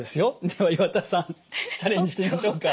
では岩田さんチャレンジしてみましょうか。